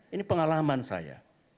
ini pengalaman saya